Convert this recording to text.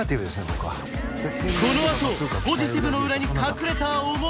僕はこのあとポジティブの裏に隠れた思いとは？